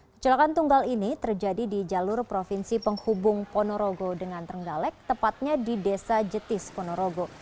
kecelakaan tunggal ini terjadi di jalur provinsi penghubung ponorogo dengan trenggalek tepatnya di desa jetis ponorogo